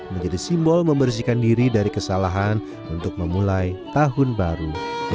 menjadi simbol membersihkan diri dari kesalahan untuk memulai tahun baru